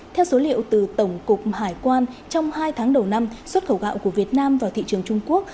theo số liệu từ tổng cục hải quan trong hai tháng đầu năm xuất khẩu gạo của việt nam vào thị trường trung quốc